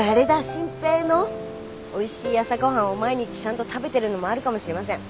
真平のおいしい朝ご飯を毎日ちゃんと食べてるのもあるかもしれません。